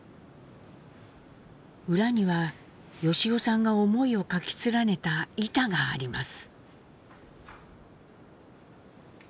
裏には由夫さんが思いを書き連ねた板があります。